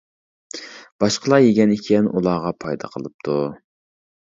باشقىلار يېگەن ئىكەن ئۇلارغا پايدا قىلىپتۇ.